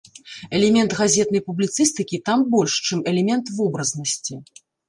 Элемент газетнай публіцыстыкі там больш, чым элемент вобразнасці.